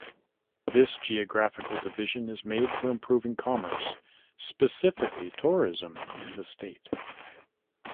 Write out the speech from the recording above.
This geographical division is made for improving commerce, specifically tourism, in the state.